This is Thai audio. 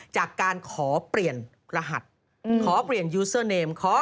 จากการขอเปลี่ยนรหัสขอเปลี่ยนยูเซอร์เนม